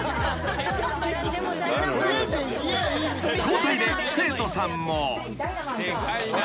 ［交代で生徒さんも］